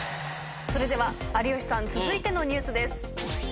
それでは有吉さん続いてのニュースです。